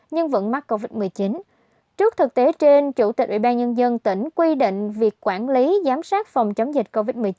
nhưng vẫn mắc covid một mươi chín trước thực tế trên chủ tịch ủy ban nhân dân tỉnh quy định việc quản lý giám sát phòng chống dịch covid một mươi chín